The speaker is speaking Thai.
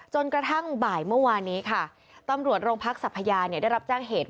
จนกระทั่งบ่ายเมื่อวานนี้ค่ะตำรวจโรงพักสัพยาได้รับแจ้งเหตุ